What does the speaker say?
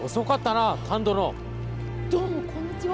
どうも、こんにちは。